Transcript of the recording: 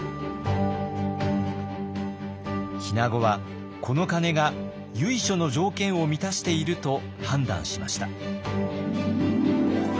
日名子はこの鐘が由緒の条件を満たしていると判断しました。